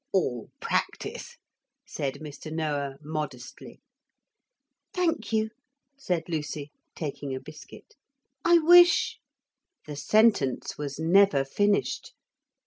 'All practice,' said Mr. Noah modestly. 'Thank you,' said Lucy, taking a biscuit; 'I wish. ...' The sentence was never finished.